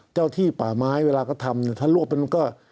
เจ้าที่ป่าไม้เวลาก็ทำเนี่ยถ้ารวบมันก็